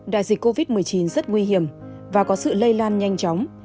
đại dịch covid một mươi chín rất nguy hiểm và có sự lây lan nhanh chóng